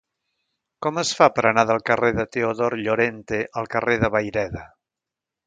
Com es fa per anar del carrer de Teodor Llorente al carrer de Vayreda?